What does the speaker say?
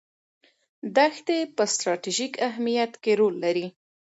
دښتې په ستراتیژیک اهمیت کې رول لري.